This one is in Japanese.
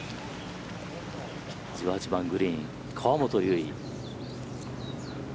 １８番、グリーン河本結。